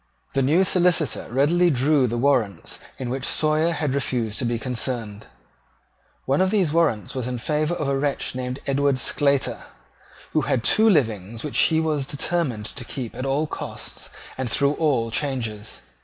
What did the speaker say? The new Solicitor readily drew the warrants in which Sawyer had refused to be concerned. One of these warrants was in favour of a wretch named Edward Sclater, who had two livings which he was determined to keep at all costs and through all changes.